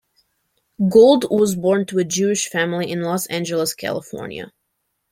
Gold was born to a Jewish family in Los Angeles, California.